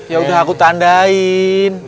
ya udah aku tandain